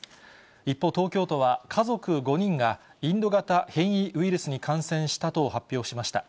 一方、東京都は、家族５人がインド型変異ウイルスに感染したと発表しました。